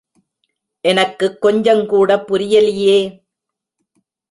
எனக்குக் கொஞ்சங்கூடப் புரியலியே.